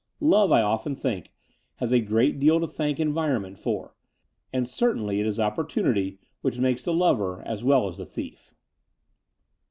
Love, I often think, has a great deal to thank environment for : and certainly it is opportimity which makes the lover as well as the thief.